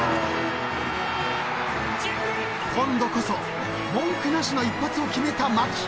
［今度こそ文句なしの一発を決めた巻］